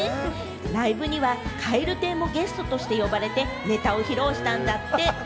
ライブには蛙亭もゲストとして呼ばれてネタを披露したんだって。